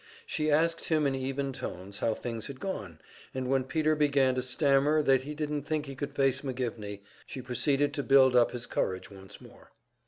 She asked him in even tones how things had gone, and when Peter began to stammer that he didn't think he could face McGivney, she proceeded to build up his courage once more.